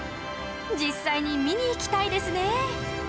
実際に見に行きたいですね！